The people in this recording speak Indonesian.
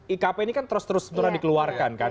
ikp ini kan terus terusan dikeluarkan kan